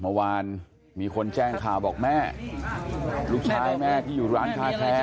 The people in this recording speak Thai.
เมื่อวานมีคนแจ้งข่าวบอกแม่ลูกชายแม่ที่อยู่ร้านค้าแท้